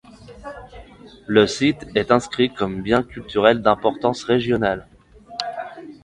Le site est inscrit comme bien culturel d'importance régionale.